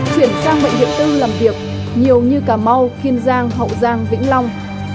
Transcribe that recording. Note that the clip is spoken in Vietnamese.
chuyển sang bệnh viện tư làm việc nhiều như cà mau kiên giang hậu giang vĩnh long